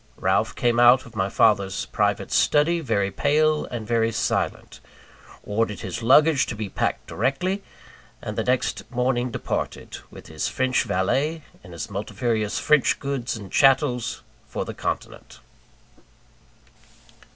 Ralph came out of my father's private study, very pale and very silent; ordered his luggage to be packed directly; and the next morning departed, with his French valet, and his multifarious French goods and chattels, for the continent.